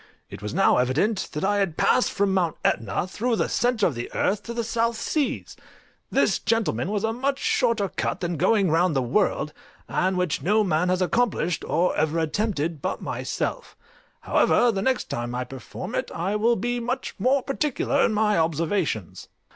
It was now evident that I had passed from Mount Etna through the centre of the earth to the South Seas: this, gentlemen, was a much shorter cut than going round the world, and which no man has accomplished, or ever attempted, but myself; however, the next time I perform it I will be much more particular in my observations.